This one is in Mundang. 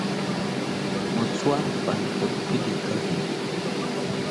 Mu cwaa fan deb puilika.